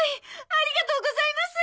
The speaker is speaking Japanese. ありがとうございます。